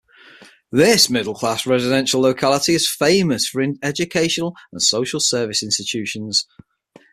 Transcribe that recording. This middle class residential locality is famous for educational and social service institutions.